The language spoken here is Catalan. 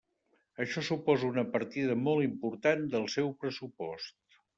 Això suposa una partida molt important del seu pressupost.